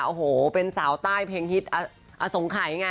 โอ้โหเป็นสาวใต้เพลงฮิตอสงขัยไง